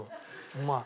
うまい。